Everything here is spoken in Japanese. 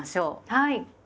はい。